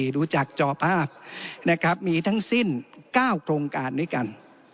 ดูจากจอภาพนะครับมีทั้งสิ้น๙โครงการด้วยกัน